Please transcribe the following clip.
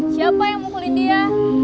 siapa yang mukulin dia